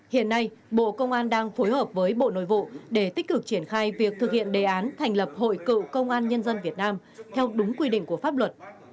hiện nay bộ công an đang phối hợp với bộ nội vụ để tích cực triển khai việc thực hiện đề án thành lập hội cựu công an nhân dân việt nam theo đúng quy định của pháp luật